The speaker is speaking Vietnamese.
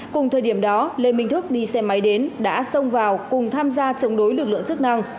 cùng thời điểm đó lê minh thức đi xe máy đến đã xông vào cùng tham gia chống đối lực lượng chức năng